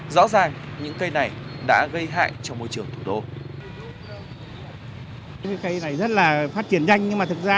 rõ ràng những cây này đã gây hại cho môi trường thủ đô